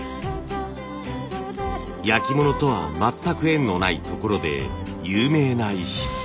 焼き物とは全く縁のないところで有名な石。